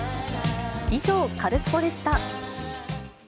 以上、カルスポっ！でした。